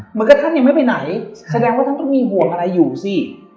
เหมือนกับท่านยังไม่ไปไหนแสดงว่าท่านต้องมีห่วงอะไรอยู่สิ